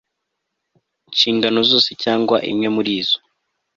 nshingano zose cyangwa imwe muri zo